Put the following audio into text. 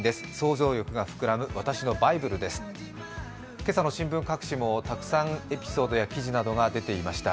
今朝の新聞各紙もたくさんエピソードや記事などが出ていました。